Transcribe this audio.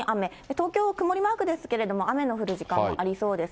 東京は曇りマークですけれども、雨の降る時間もありそうです。